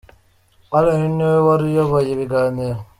Alain ni we wari uyoboye ibiganiro.